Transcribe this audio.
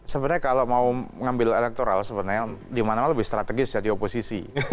sebenarnya kalau mau ngambil elektoral sebenarnya dimana mana lebih strategis jadi oposisi